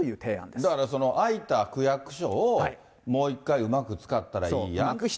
だから空いた区役所を、もう一回うまく使ったらいいやんって。